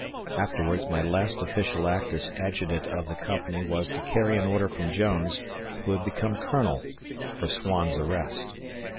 Afterwards my last official act as adjutant of the company was to carry an order from Jones who had become colonel, for Swan's arrest.